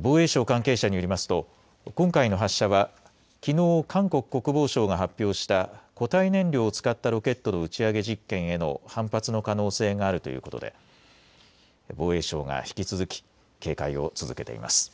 防衛省関係者によりますと今回の発射はきのう、韓国国防省が発表した固体燃料を使ったロケットの打ち上げ実験への反発の可能性があるということで防衛省が引き続き警戒を続けています。